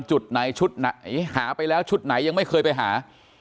จุดไหนชุดไหนหาไปแล้วชุดไหนยังไม่เคยไปหา